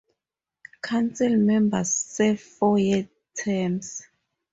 Council members serve four-year terms.